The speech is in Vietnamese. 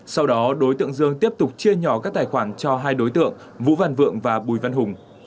sau đó đối tượng dương tiếp tục chia nhỏ các tài khoản cho hai đối tượng vũ văn vượng và bùi văn hùng